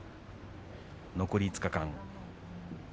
残り５日間。